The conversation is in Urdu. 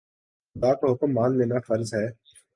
خدا کا حکم مان لینا فرض ہے